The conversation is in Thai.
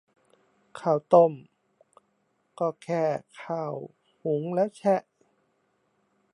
ข้าวต้ม ก็แค่ข้าวหุงแล้วแฉะ